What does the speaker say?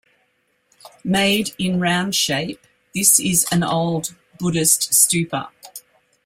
Made in round shape, this is an old Buddhist Stupa.